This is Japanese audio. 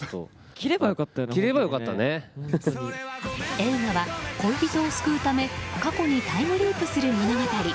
映画は、恋人を救うため過去にタイムリープする物語。